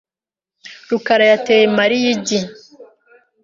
rukara yateye Mariya igi .